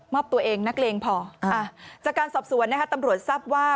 อบตัวเองนักเลงพอจากการสอบสวนนะคะตำรวจทราบว่า